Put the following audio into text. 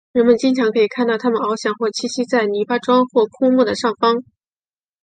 人们经常可以看到它们翱翔或栖息在篱笆桩或枯木的上方。